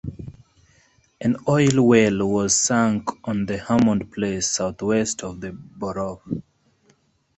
An oil well was sunk on the Hammond place southwest of the borough.